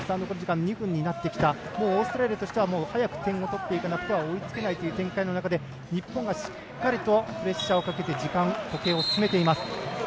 オーストラリアとしては早く点を取っていかなくては追いつけないという展開の中で日本がしっかりとプレッシャーをかけて時計を進めています。